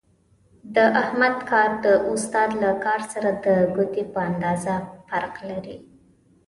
د احمد کارو د استاد له کار سره د ګوتې په اندازې فرق لرلو.